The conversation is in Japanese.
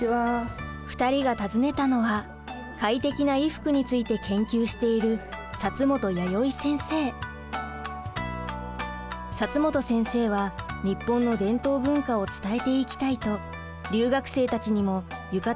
２人が訪ねたのは快適な衣服について研究している本先生は日本の伝統文化を伝えていきたいと留学生たちにも浴衣の着付けを教えています。